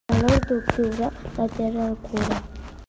Malalt d'octubre, la terra el cura.